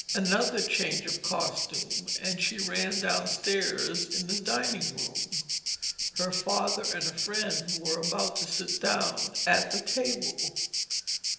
Another change of costume and she ran downstairs to the dining room. Her father and a friend were about to sit down at the table.